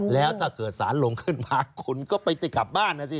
แล้วถ้าเกิดสารลงขึ้นมาคุณก็ไปกลับบ้านนะสิ